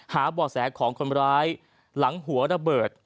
บ่อแสของคนร้ายหลังหัวระเบิด